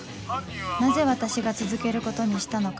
なぜ私が続けることにしたのか？